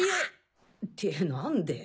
って何で？